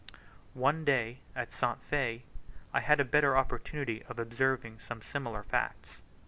One day, at St. Fe, I had a better opportunity of observing some similar facts.